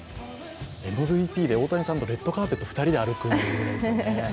ＭＶＰで大谷さんとレッドカーペット２人で歩くんですものね。